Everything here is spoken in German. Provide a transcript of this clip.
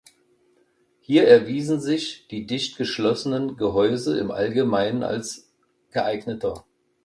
Hier erwiesen sich die dicht verschlossenen Gehäuse im Allgemeinen als geeigneter.